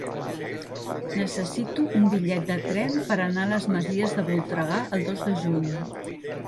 Necessito un bitllet de tren per anar a les Masies de Voltregà el dos de juny.